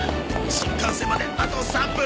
新幹線まであと３分。